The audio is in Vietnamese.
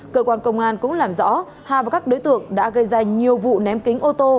cơ quan công an cũng làm rõ hà và các đối tượng đã gây ra nhiều vụ ném kính ô tô